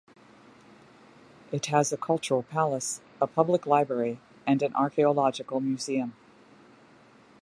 It has a cultural palace, a public library and an archaeological museum.